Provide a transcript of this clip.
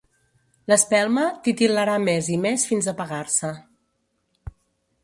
L'espelma titil·larà més i més fins apagar-se.